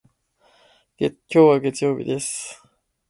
今日は月曜日です。